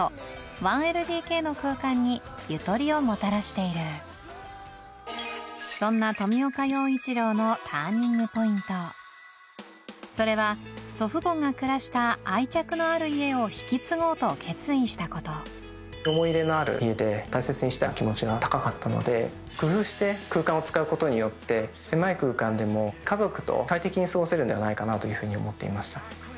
１ＬＤＫの空間にゆとりをもたらしているそんなそれは祖父母が暮らした愛着のある家を引き継ごうと決意したこと思い入れのある家で大切にしたい気持ちが高かったので工夫して空間を使うことによって狭い空間でも家族と快適に過ごせるんではないかなというふうに思っていました。